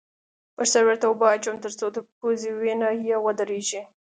پر سر ورته اوبه اچوم؛ تر څو د پوزې وینه یې ودرېږې.